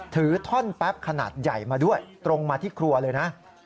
ถือท่อนแป๊บขนาดใหญ่มาด้วยตรงมาที่ครัวเลยนะ